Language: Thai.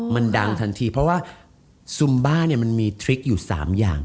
มันดังทันทีเพราะว่าซุมบ้าเนี่ยมันมีทริคอยู่๓อย่าง